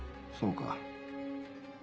そうか。